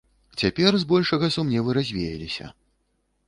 Цяпер збольшага сумневы развеяліся.